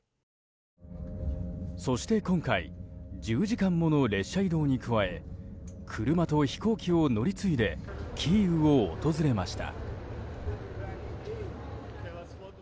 そして、今回１０時間もの列車移動に加え車と飛行機を乗り継いでキーウを訪れました。